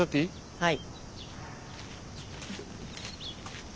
はい。